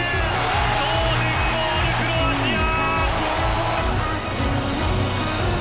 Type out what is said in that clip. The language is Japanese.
同点ゴール、クロアチア！